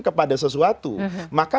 kepada sesuatu maka